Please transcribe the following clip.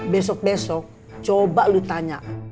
besok besok coba lu tanya